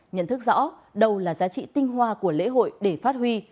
nhận thức rõ đâu là giá trị tinh hoa của lễ hội để phát huy